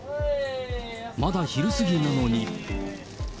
まだ昼過ぎなのに。